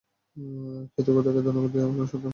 Kathy, খোদাকে ধন্যবাদ আমাদের কোন সন্তান হয়নি।